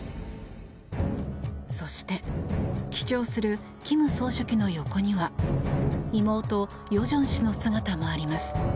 そして記帳する金総書記の横には妹・与正氏の姿もあります。